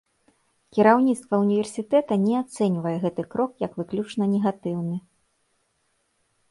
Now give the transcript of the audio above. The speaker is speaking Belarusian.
Кіраўніцтва універсітэта не ацэньвае гэты крок як выключна негатыўны.